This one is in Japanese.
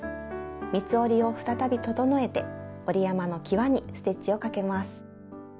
三つ折りを再び整えて折り山のきわにステッチをかけます。